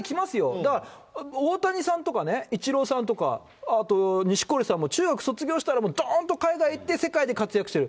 だから、大谷さんとかね、イチローさんとか、錦織さんも中学卒業したら、もうどーんと海外行って、世界で活躍してる。